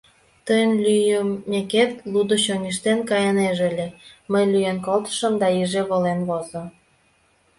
Тыйын лӱйымекет, лудо чоҥештен кайынеже ыле; мый лӱен колтышым, да иже волен возо.